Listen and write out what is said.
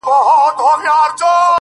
تر پرون مي يوه کمه ده راوړې”